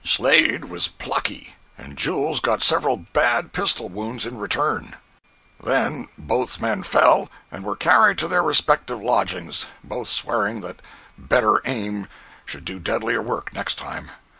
Slade was pluck, and Jules got several bad pistol wounds in return. 082.jpg (157K) Then both men fell, and were carried to their respective lodgings, both swearing that better aim should do deadlier work next time.